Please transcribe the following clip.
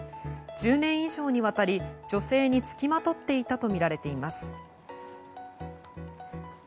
１０年以上にわたり女性に付きまとっていたとみられています。